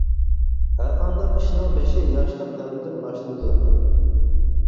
ھەرقانداق ئىشنىڭ بېشى ياشلىق دەۋرىدىن باشلىنىدۇ.